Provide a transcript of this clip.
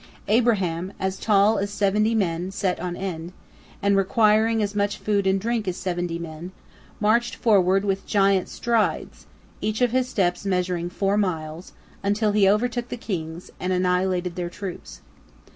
Abraham, as tall as seventy men set on end, and requiring as much food and drink as seventy men, marched forward with giant strides, each of his steps measuring four miles, until he overtook the kings, and annihilated their troops.